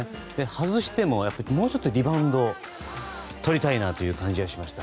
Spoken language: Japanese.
外してももうちょっとリバウンドをとりたいなという感じがしました。